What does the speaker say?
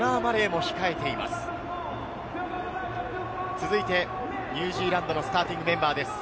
続いて、ニュージーランドのスターティングメンバーです。